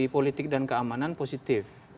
politik dan keamanan positif